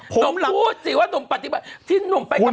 หนุ่มพูดสิว่าหนุ่มปฏิบัติที่หนุ่มไปกระป๋อง